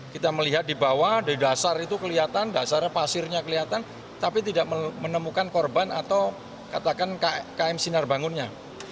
kita melihat di bawah di dasar itu kelihatan dasarnya pasirnya kelihatan tapi tidak menemukan korban atau katakan km sinar bangunnya